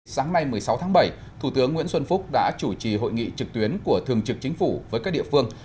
sáng nay một mươi sáu tháng bảy thủ tướng nguyễn xuân phúc đã chủ trì hội nghị trực tuyến của thường trực chính phủ với các địa phương